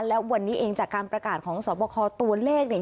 และวันนี้เองจากการประกาศของสอบคอตัวเลขเนี่ย